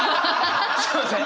すみません！